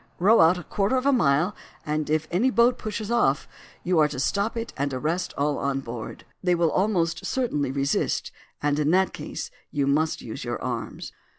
Row out a quarter of a mile, and if any boat pushes off you are to stop it and arrest all on board. They will almost certainly resist, and in that case you must use your arms.